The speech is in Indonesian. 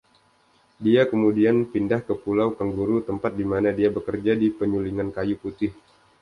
Dia kemudian pindah ke Pulau Kangguru, tempat dimana dia bekerja di penyulingan kayu putih.